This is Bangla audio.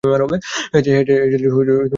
হ্যাজেলের শুধু দুটো ঘন্টা দরকার।